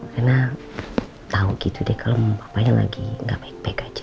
karena tau gitu deh kalau mama papanya lagi gak baik baik aja